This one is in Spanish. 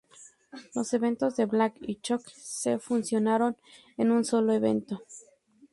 Los eventos de Bland y Shook se fusionaron en un solo evento.